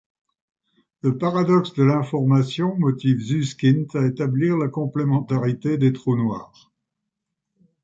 Le paradoxe de l'information motive Susskind à établir la complémentarité des trous noirs.